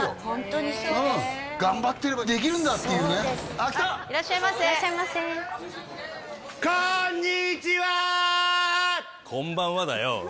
こんばんはだよ